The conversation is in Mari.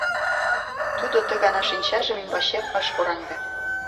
Тудо ты гана шинчажым ӱмбачем ыш кораҥде.